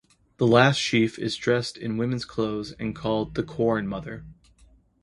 The last sheaf is dressed in women's clothes and called the Corn Mother.